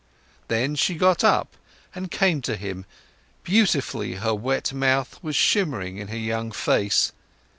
Then she got up and came to him, beautifully her wet mouth was shimmering in her young face.